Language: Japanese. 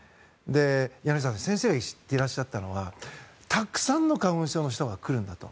柳澤さん、先生が言っていらっしゃったのはたくさんの花粉症の人が来るんだと。